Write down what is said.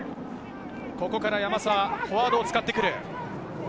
山沢、フォワードを使ってくる。